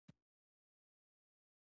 دا د بنسټونو په برخه کې یو نوښت دی